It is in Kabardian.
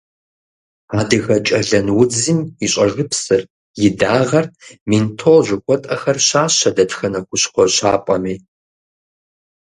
Адыгэкӏэлэн удзым и щӏэжыпсыр, и дагъэр, ментол жыхуэтӏэхэр щащэ дэтхэнэ хущхъуэ щапӏэми.